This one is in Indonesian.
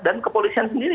dan kepolisian sendiri